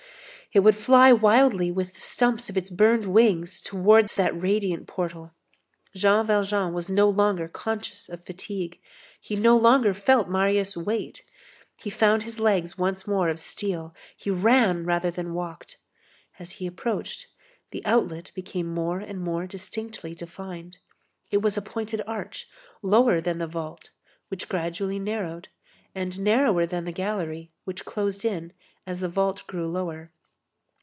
It would fly wildly with the stumps of its burned wings towards that radiant portal. Jean Valjean was no longer conscious of fatigue, he no longer felt Marius' weight, he found his legs once more of steel, he ran rather than walked. As he approached, the outlet became more and more distinctly defined. It was a pointed arch, lower than the vault, which gradually narrowed, and narrower than the gallery, which closed in as the vault grew lower.